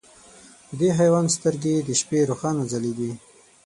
د دې حیوان سترګې د شپې روښانه ځلېږي.